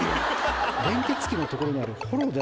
連結器の所にあるほろ。